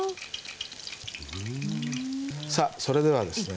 さあそれではですね